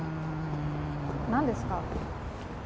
何ですか？